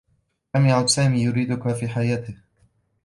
لم يعد سامي يريدك في حياته.